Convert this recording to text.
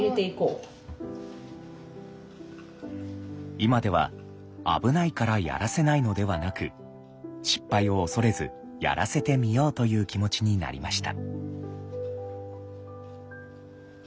今では危ないからやらせないのではなく失敗を恐れずやらせてみようという気持ちになりました。